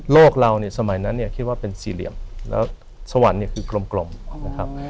เราเนี่ยสมัยนั้นเนี่ยคิดว่าเป็นสี่เหลี่ยมแล้วสวรรค์เนี่ยคือกลมนะครับ